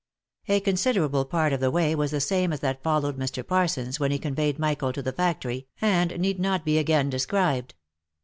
A considerable part of the way was the same as that followed by Mr. Parsons when he conveyed Michael to the factory, and need not be again described.